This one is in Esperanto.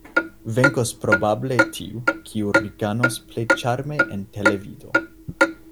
Venkos probable tiu, kiu rikanos plej ĉarme en televido.